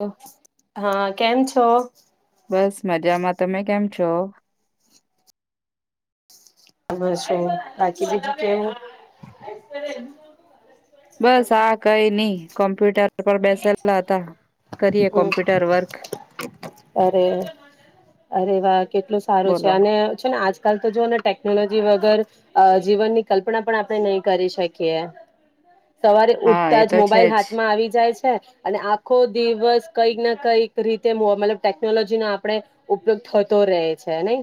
ઓહ, હા કેમ છે? તો બસ મજામાં તમે કેમ છો? બસ જો બાકી બધું કેવું? [inaudible] બસ આ કઈ નઈ કોમ્પ્યુટર પર બેસેલા હતા. કરીએ હમ કોમ્પ્યુટર વર્ક. અરે અરે વા કેટલું સારું છે બોલો અને આજકાલ તો જો ને ટેકનોલોજી વગર જીવનની કલ્પના પણ આપણે નહી કરી શકીએ. સવારે હા ઉઠતા એ જ તો છે મોબાઈલ હાથમાં આવી જાય છે. અને આખો દિવસ કઈક ના કઈક રીતે મો મતલબ ટેકનોલોજી નો આપણે ઉપયોગ થતો રહે છે નહી.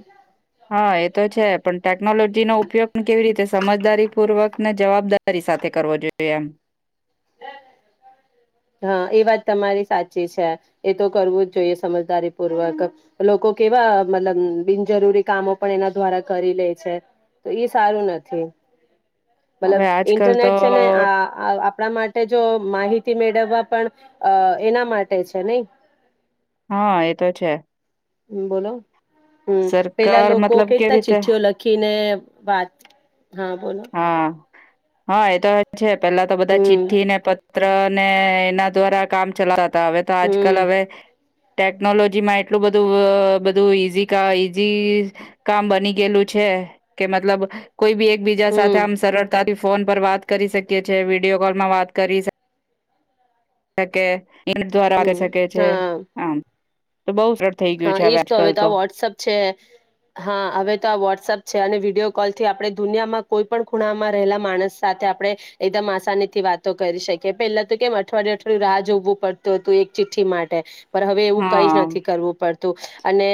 હા એ તો છે પણ ટેકનોલોજીનો ઉપયોગ તો કેવી રીતે સમજદારી પૂર્વક ને જવાબદારી સાથે કરવો જોઈએ એમ. હા એ વાત તમારી સાચી. છે એ તો કરવું જ જોઈએ સમજદારી પૂર્વક લોકો કેવા મતલબ બિનજરૂરી કામો પણ એના દ્વારા કરી લે છે તો એ સારું નથી. મતલબ હવે આજકાલ તો ઇન્ટરનેટ છે ને અ અ આપણા માટે જો માહિ મેળવવા પણ એના માટે છે નહી. હા એ તો છે. હમ બોલો. હમ પેલા સરકાર લોકો મતલબ કેવી કેતા રીતે ચિઠ્ઠીઓ લખીને વાત. હા બોલો. હા હા એતો એ છે. પેલા તો બધા હમ ચીઠ્ઠ ને પ પત્ર ને એના દ્વારા કામ ચલાતા તા હવે તો આજ કલ હમ હવે ટેકનોલોજી માં એટલું બધું બધું ઈઝી ઈઝી કામ બની ગયેલું છે કે મતલબ કોઈ બી એક સાથે હમ આમ સરળતાથી ફોન પર વાત કરી શકીએ છેએ વિડીયો કોલ માં વાત કરી ત કે ઇ દ્વારા આવી હમ શકે છે હા આમ તો બઉ સરળ થઈ ગયું હા છે એજ તો હવે આજકાલ તો આ વોટ્સઅપ છે હા હવે તો આ વોટ્સઅપ છે અને વિડીયો કોલ થી આપણે દુનિયામાં કોઈ પણ ખૂણામાં રહેલા માણસ સાથે આપણે એકદમ આસાની થી વાતો કરી શકીએ પેલા તો કેમ અઠવાડયે અઠવાડય રાહ જોવું પડતું હતું એક ચિઠ્ઠી માટે. પણ હવે એવું કઈ જ હા, નથી કરવું. અને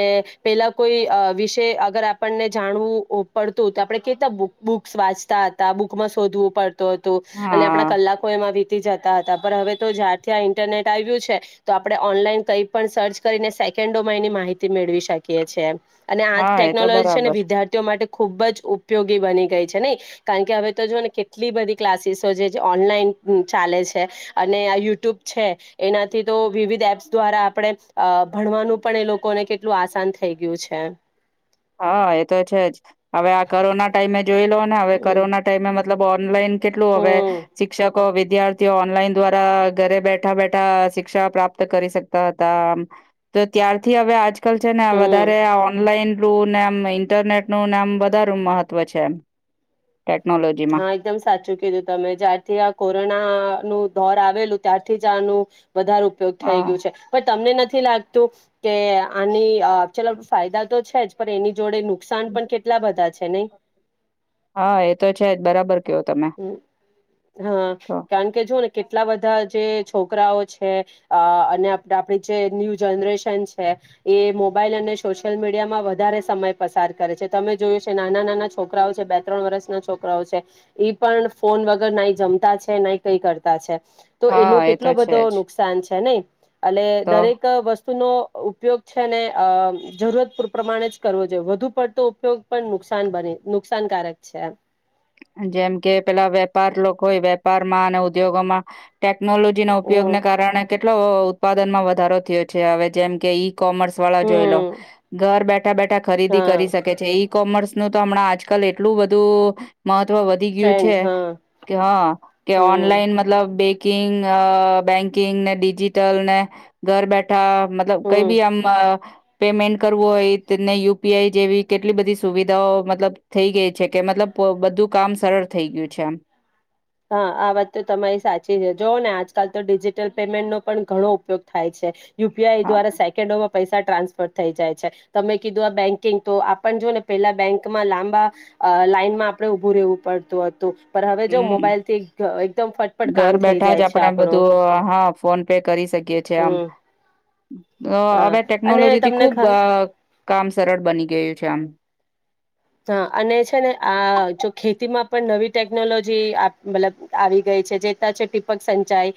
પેલા કોઈ વિષય અગર આપણને જાણવું પડતું તો આપણે કેટલા બુક્ વાંચતા હતા બુકમાં શોધવું પડું હતું અને આપણા હા, કલાકો એમાં જતા હતા હવે તો જ્યારથી આ ઇન્ટરનેટ આવ્યું છે તો આપણે ઓનલાઈન કઈ પણ સર્ચ કરીને ડોમાં ની માહિતી મેળવી શકીએ છીએ. અને આ હા એ તો ટેકનોલોજી છે ને બરાબર. વિદ્યાર્થીઓ માટે ખૂબ જ ઉપયોગી બની ગઈ છે. નહી કારણ કે હવે તો જોઓ ને કેટલી બધી ક્લાસીસો છે ઓનલાઈન ચાલે છે અને આ યુટ્યુબ છે એનાથી તો વિવિધ એપ્સ દ્વારા આપણે ભણવાનું પણ એ લોકોને કેટલું આસાન થઈ ગયું છે. હા, એ તો છે જ હવે આ કોરોના ટાઈમે જ જોઈ લો ને હવે. હમ કોરોના ટાઈમે મતલબ ઓનલાઈનહું કેટલું હવે હમ શિક્ષક વિદ્યાર્થીઓ ઓનલાઈન દ્વારા ઘરે બેઠા બેઠા શિક્ષા પ્રાપ્ત કરી શકતા હતા. તો ત્યારથી હવે આજ કલ ને હમ વધારે ઓનલાઈન એલું નેમ ઇન્ટરનેટ ન મ વધારું મહત્વ છે. ટેકનોલોજીમાં હા એકદમ સાચું કીધું તમે. જ્યારથી આ કોરોનાનું દોર આવેલું ત્યારથી જ આનું વધારે ઉપયોગ થઈ હા. ગયું છે પણ તમને નથી નથી લાગતું કે આની ચાલ ફાયદા તો છે જ પણ એની જોડે નુકસાન પણ કેટલા બધા છે નહી હા એ તો છે. બરાબર. કયો તમે હમ હા તો કારણ કે જોને કેટલા બધા જે છોકરાઓ છે અને આપડી જે ન્યૂ જનરેશન છે એ મોબાઈલ અને સોશિયલ મીડિયામાં વધારે સમય પસાર કરે છે તમે જોયું છે નાના નાના છોકરાઓ છે બે ત્રણ વર્ષના છોકરાઓ છે ઈ પણ ફોન વગર નાઈ જમતા છે નઈ કઈ કરતા છે તો એનું હા એ કેટલો તો છે બધો જ નુકસાન છે નઈ [inaudible] એટ તો દરેક વસ્તુ વત નો ઉપયોગ છે ને અ જરૂરત પૂર પ્રમાણે જ કરવો જોઈએ વધુ પડતો ઉપયોગ પણ નુકસાન બને નુકસાનકારક છે. જેમ કે પેલા વેપાર લોકો હોય વેપારમાં, અને ઉદ્યોગોમાંયુ ટેકનોલોજી ના ઉપયોગને હમ કારણે કેટલો ઉત્પાદનમાં વધારો થયો છે હવે જેમ કે ઈ કોમર્સ વાળા જોઈે લો હમ ઘર બેઠ બેઠા બેઠા ખરીદી હા કરી શકે છે ઇ કોમર્સ નું તો હમણાં આજકાલ એટલું બધું મહત્વ વધી ગયું છે. ટ્રેન્ડ હા કે હા કે હમ ઓનલાઈન મતલબ બે કી બેન્કિંગ ને ડિજીિટલ ને ઘર બેઠા મતલબ કઈ હમ બી આમ પેમેન્ટ કરવું હોય ને યુપીઆઈ જેવી કેટલી બધી સુવિધાઓ મતલબ થઈ ગઈ છે. કે મતલબ બધું કામ સરળ થઈ ગયું છે. એમ હા આ વાત તો તમારી સાચી છે જો ને આજ. આજ કલ તો ડિજિટલ પેમેન્ટ નો પણ ઘણો ઉપયોગ થાય છે. યુીઆઈ હા દ્વારા સેકંડો પૈસા ટ્રાન્સફર થઈ જાય છે. તમે કીધું આ બેંકિંગ તો આપણ જો ને પેલા બેંકમાં લાંબા લાઈનમાં આપણે ઉભું રહેવું પડતું હતું. પર હવે જો હમ મોબાઈલ થી એકદમ ફટફટ ઘર કામ થઈ બેઠા જ જાય છે આપણેે આપણું બધું હા ફોન પે કરી શકીયએ છેએ આમ. હમ હા હવે અને ટેકનોલોજીથી તમને ખુબ ખ કામ સરળ બની ગયું છે. આમ હા અને છે ને આ જો ખેતીમાં પણ નવી ટેકનોલોજી અ મતલબ આવી ગઈ છે. જેતા છે ટીપક સચાઈ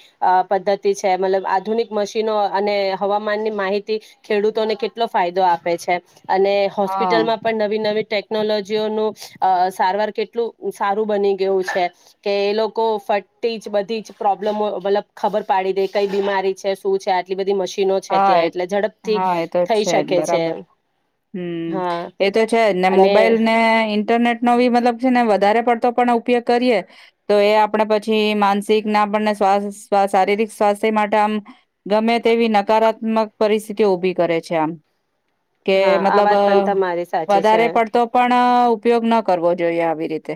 પદ્ધતિ છે મતલબ આધુનિક મશીનો અને હવામાનની માહિતી ખેડૂતોને કેટલો ફાયદો આપે છે અને હા હોસ્પિટલ માં પણ નવી નવી ટેકનોલોજીઓનું અ સારવાર કેટલું સારું બની ગયું છે. કે એ લોકો ફટતી જ બધી જ પ્રોબ્લેમ મતલબ ખબર પડી દે કઈ બીમારી છે શું છે આટલી બધી મશીન હા એ હા એતો જ છેજ. શકે છે બરાબર હમ હા એતો છે જ ને મો અને મોબાઈલ ને ઈન્ટરનેટ નો ભી મતલબ છે ને વધારે પડતો પણ આ ઉપયોગ કરીએ તો એ આપણે પછી માનસિક ના આપણને શારીરિક સ્વાસ્થ્ય માટે આમ ગમે તેવી ન. સકારાત્મક પરિસ્થિતિ ઉભી કરે છે આમ. કે હા આ મતલબ વાત પણ તમારી સાચી છે વધારે પડતો પણ. ના ઉપયોગ ના કરવો જોઈએ આવી રીતે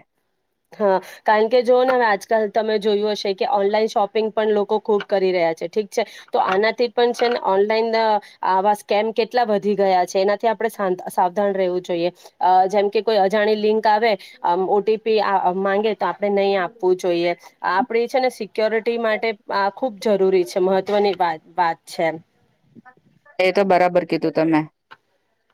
હા કારણ કે જોઓ ને હવે આજકાલ તમે જોયું હશે કે ઓનલાઈન શોપિંગ પણ લોકો ખૂબ કરી રહ્યા છે ઠીક છે તો આનાથી પણ છે ને ઓનલાઈન આવા સ્કેમ કેટલા વધી ગયા છે. એનાથી આપ આપણે સાવ સાવધાન રહેવું જોઈએ. અ જેમ કે કોઈ અજાણી લિંક આવે. આમ ઓટી પિ માંગે તો આપણે નહીં આપવું જોઈએ. આપણે છે ને સિક્યોરિટી માટે આ ખૂબ જરૂરી છે મહત્વની વાત વાત છે એ તો બરાબર કીધું તમે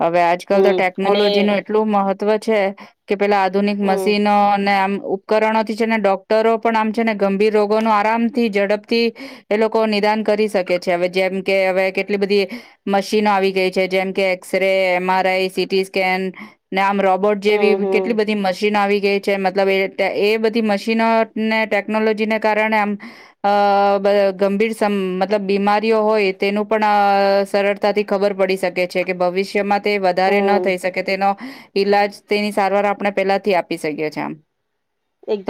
હવે આજકાલ તો હમ અને ટેકનોલોજી ન એટલું મહત્વ તવ છે. કે પેલા આધુનિક હમ મશીનોને આમ ઉપકરણોથી છે ને ડોક્ટરો પણ આમ છે ને ગંભીર રોગો ન આરામ થી ઝડપથી એ લોકો નિદાન કરી શકે છે હવે જેમ કે હવે. કેટલી બધી મશીનો આવી ગઈ છે. જેમ કે X ray, M R I CT scan આમ રો બોટ હમ જેવી હમ કેટલી બધી મશીન આવી જે મતલબ એ એ બધી મશીનોને ટેકનોલોજીને કારણે આમ અ ગંભીર મ મતલબ બીમારીઓ હોય તેનું પણ સરળતાથી ખબર પડી શકે છે કે ભવિષ્યમાં તે વધારે ન હમ થઈ શકે તેનો ઈલાજ તેની સારવાર આપણે પેલાથી આપી શકીએ છીએ આમ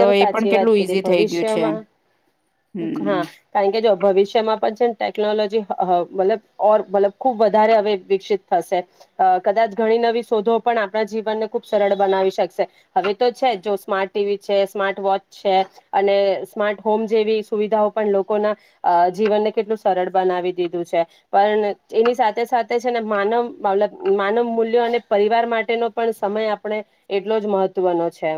તો એ પણ સાચી વાત કેટલું કિધી ઈઝી થઈ ગયું છે એમ ભવિષ્યમાં હા હમ કા કે જો ભવિષ્યમાં પછી ટેકનોલોજી મતલબ ઓરલબ ખુબ વધારે હવે વિકસિત થશે કદાચ ઘણી નવી શોધો પણ આપણા જીવનને ખૂબ સરળ બનાવી શકશે હવે તો છે જો સ્માર્ટ ટીવી છે સ્માર્ટ વોચ છે અને સ્માર્ટ હોમ જેવી સુવિધાઓ પણ લોકોના આ જીવનને કેટલું સરળ બનાવી દીધું છે પણ એની સાથે સાથે છે ને માનવ બાલ માનવ મૂલ્યો અને પરિવાર માટેનો પણ સમય આપણે એટલો જ મહત્વનો છે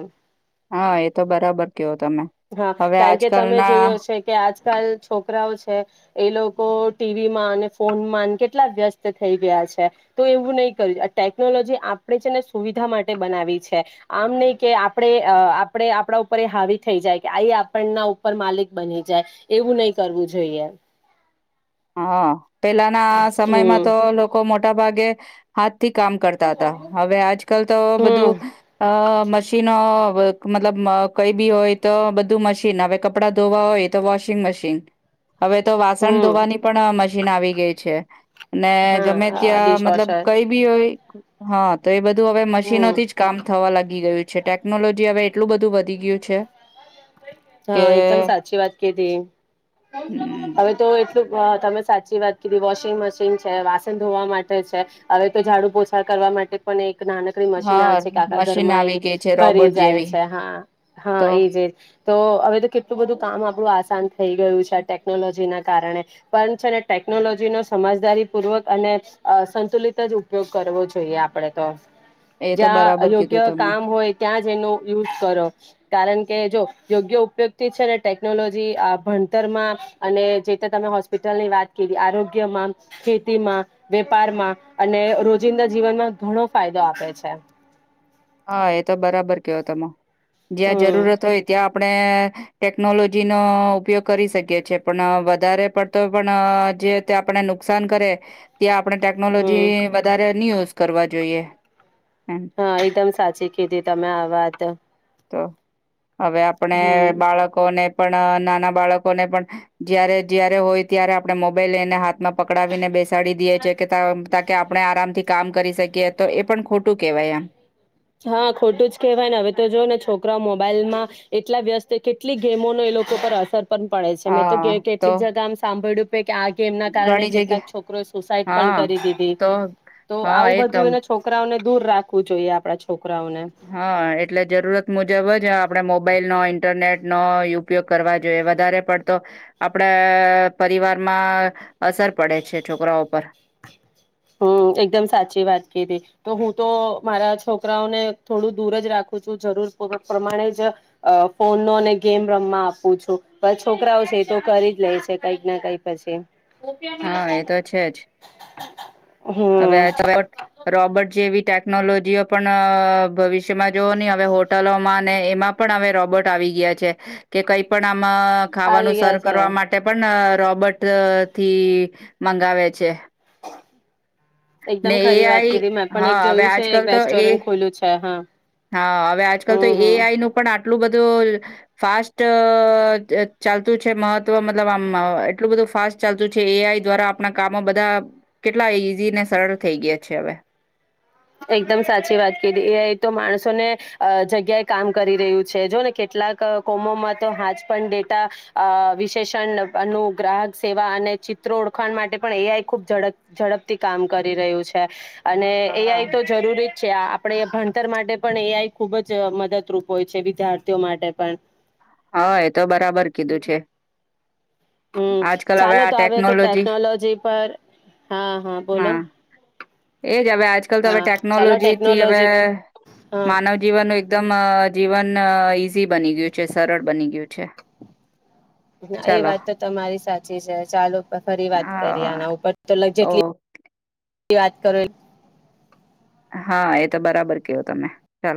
હા એ તો બરાબર કયો તમે હા હવે તયા કે તમે આજકાલના જોયું હશે કે આજ આજકાલ છોકરાઓ છે એ લોકો ટીવી માં અને ફોનમાં કેટલા વ્યસ્ત થઈ ગયા છે તો એવું નહીં કર્યું ટેકનોલોજી આપણે છે ને સુવિધા માટે બનાવી છે આમ નહ કે આપણે આપણે આપણા ઉપર હાવી થઈ જાય કે આ આપણના ઉપર માલિક બની જાય, એવું નહી કરવું જોઈએ. હા. પેલાના સમયમાં હમ તો લોકો મોટ ભાગે, હાથ થી કામ કરતા હતા હવે આજકાલ તો બધું, હમ અ મશીન મતલબ કઈ બી હોય તો બધું મશીન હવે કપડાં ધોવા હોય તો વોશિંગ મશીન. હવે તો વાસણ હમ ધોવાની પણ મશીન આવી ગઈ છે, અને ગમે હા હા ત્યાં મતલબ ડિશવોશર કઈ બી હોય હા તો એ બધું હવે હમ મશીનોથી જ કામ થવા લાગી ગયું છે. છે ટેકનોલોજી હવે એટલું બધું વધી ગયું છે. કે હા એકદમ સાચી વાત કીધી, હમ્મ, હવે તો તમે સાચી વાત કીધી વોશિંગ મશીન છે વાસણ ધોવા માટે છે, હવે તો ઝાડુ પોછા કરવા માટે પણ એક નાનકડી મશીના હા છે કે આખા મશીન ઘરમાં આવી એ, ગઈ છે ફરી રોબોટ જાય જેવી છે હા હા તો એ જ. તો હવે તો કેટલું બધું કામ આપણું આસાન થઈ ગયું છે ટેકનોલોજી ના કારણે, પણ છે ને ટેકનોલોજી નો સમજદારી પૂર્વક અને, સંતુલિત જ ઉપયોગ કરવો જોઈએ આપડણે તો. એ તો જ્યાં બરાબર કીધું યોગ્ય તમે. કામ હોય ત્યાં જ એનો યુઝ કરો, કારણ કે કેજો યોગ્ય ઉપયોગથી છે ને ટેકનોલોજી ભણતરમાં, અને જે તે તમે હોસ્પિટલની વાત કરી આરોગ્યમાં, ખેતીમાં, વેપારમાં, અને રોજિંદા જીવનમાં ઘણો ફાયદો આપે છે. હા એ તો બરાબર કયો તમે. જ્યાં હમ જરૂરત હોય ત્યાં આપણે, ટેકનોલોજી નો ઉપયોગ કરી શકીએ છીએ પણ વધારે પડતો પણ જે આપને નુકસાન કરે. ત્યાં આપણે હમ ટેકનોલોજી વધારે નહી હો કરવા જોઈએ. એમ હા એકદમ સાચી કીધી તમે આ વાત. તો હવે આપણે હમ બાળકોને પણ નાના બાળકોને પણ, જયારે જયારે હોય ત્યારે આપડણે મોબાઈલ લઈને હાથ માં પકડાવીને બેસાડી દે છે કે કે આપણે આરામથી કામ કરી શકીએ તો એ પણ ખોટું કેહેવાય એમ. હા ખોટું જ કેહેવાય ને હવે તો જો ને છોકરા મોબાઈલ માં, એટલા વ્યસ્ત કેટલી ગેમો ન એ લોકો પર અસર પડે છે મેં તો હા, તો કેટલીક જગા આમ સાંભળ્યું પે કે આ ગે એમના કારણે ઘણી જગ્યા કેટલાક છોકરોએ સુસાઈડ પણ હા કરી દીધી, તો તો હા આવું એ તો બધું એના છોકરાઓને દૂર રાખવું જોઈએ આપણે. હા એટલે જરૂરત મુજબ જ આપે મોબ મોબાઈલ નો ઈન્ટરનેટ નો ઉપયોગ કરવા જોઈએ વધારે પડતો આપડા પરિવારમાં અસર પડે છે છોકરા ઉપર હમ એકદમ સાચી વાત કધી તો હું તો મારા છોકરાઓને થોડું દૂર જ રાખું છું જરૂર પ્રમાણે જ ફોનનોો અને ગેમ રમવા આપું છું પણ છોકરાઓ છે એ તો કરી જ લે છે કઈક ના કઈક પછી હા એ તો છે જ હવે હમ રોબર્ટ જેવીટે ટેકનોલોજીઓ પણ ભવિષ્યમાં જોઓ નહી હવે હોટલોમાં અને એમાં પણ હવે રોબોટ આવી ગયા છે કે કઈ પણ આવી ખાવાનું ગયા સરર્ છે કરવા માટે પણ રોબર્ટ થી મંગાવે છે ને એકદમ ખરી વાત એઆઈ કરીીધી મેં પણ હા એક હવે જોયું છે આજકાલ એક તો એ રેસ્ટોરન્ટ ખુલ્લું છે હા હા હવે આજકાલ તો હમ એ આઈ હમ નું પણ એટલું બધું ફાસ્ટ ચાલતું છે મહત્વ મતલબ આમ એટલું બધું ફાસ્ટ ચાલતું છે એઆઈ દ્વારા આપણા કામો બધા કેટલા ઈઝી અને સરળ થઈ ગયા છે હવે એકદમ સાચી વાત કધી એઆઈ તો માણસોને જગ્યાએ કામ કરી રહ્યું છે જો ને કેટલાક કોમોમાં તો હાજ પણ ડેટા વિશેષણ નું ગ્રાહક સેવા અને ચિત્ર ઓળખાણ માટે પણ એઆઈ ખુબડ ઝડપથી કામ કરી રહ્યું છે અને એ હા આઈ તો જરૂરી જ છે આપડે ભ તર માટે પણ એ આઈ ખુબ જ મદદરૂપ હોય છે વિદ્યાર્થીઓ માટે પણ હા એ તો બરાબર કીધું છે હમ આજકાલ હવે ચાલો આ તો આવે તો ટેકનોલોજી પર હા હા બોલો એજ હવે આજકાલ તો હવે હા ચાલો ટેકનોલોજી થી હવે ટેકનોલોજી હા માનવ જીવનનું એકદમ જીવન સી બની ગયું છે સરળ બની ગયું છે અચ્છા એ વાત તો તમારી સાચી છે ચાલો ફરી વાત કરી હા આના ઉપર તો ઓ જેટલી વાત કરો હા એ તો બરાબર કેવો તમે ચાલો